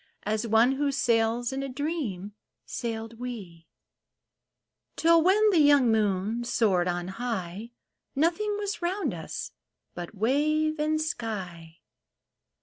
As one who sails in a dream, sailed we, Till, when the young moon soared on high, Nothing was round us but wave and sky.